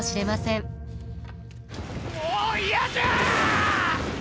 もう嫌じゃあ！